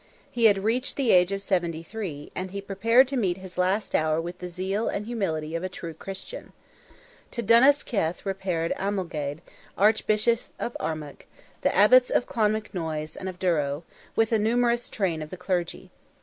He had reached the age of seventy three, and he prepared to meet his last hour with the zeal and humility of a true Christian. To Dunnasciath repaired Amalgaid, Archbishop of Armagh, the Abbots of Clonmacnoise and of Durrow, with a numerous train of the clergy.